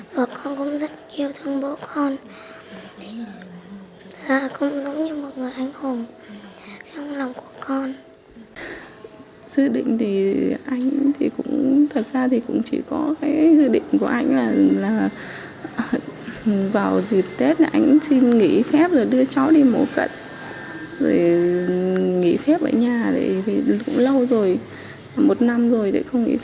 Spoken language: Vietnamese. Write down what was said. và con cũng rất yêu thương bố con